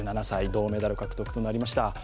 １７歳、銅メダル獲得となりました。